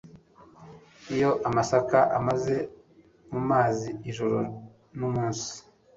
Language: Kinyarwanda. iyo amasaka amaze mu mazi ijoro n'umunsi